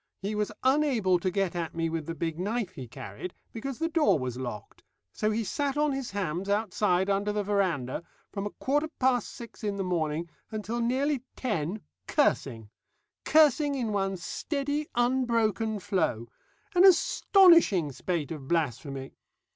He was unable to get at me with the big knife he carried, because the door was locked, so he sat on his hams outside under the verandah, from a quarter past six in the morning until nearly ten, cursing cursing in one steady unbroken flow an astonishing spate of blasphemy.